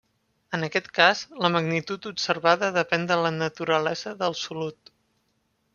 En aquest cas, la magnitud observada depèn de la naturalesa del solut.